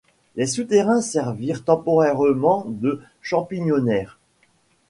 Les souterrains servirent temporairement de champignonnière.